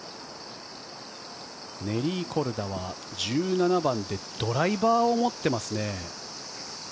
ネリー・コルダは１７番でドライバーを持っていますね。